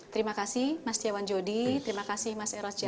terima kasih mas tiawan jodi terima kasih mas eroj